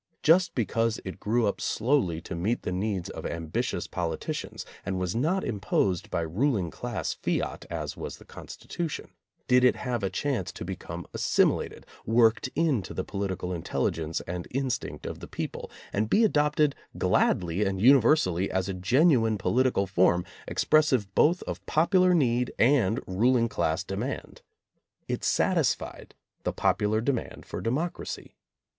Just be cause it grew up slowly to meet the needs of am bitious politicians and was not imposed by ruling class fiat, as was the Constitution, did it have a chance to become assimilated, worked into the po litical intelligence and instinct of the people, and be adopted gladly and universally as a genuine political form, expressive both of popular need and ruling class demand. It satisfied the popular demand for democracy.